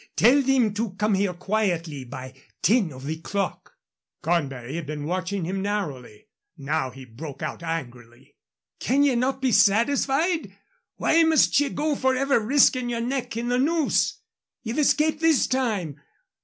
Tell them to come here quietly by ten of the clock." Cornbury had been watching him narrowly. Now he broke out angrily. "Can ye not be satisfied? Why must ye go forever risking yer neck in the noose? Ye've escaped this time.